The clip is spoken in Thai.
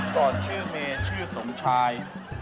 ก่อนชื่อเมย์ชื่อสมชาย